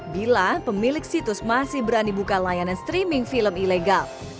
bila pemilik situs masih berani buka layanan streaming film ilegal